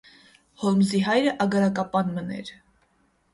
Հոլմզի հայրը ագարակապան մըն էր։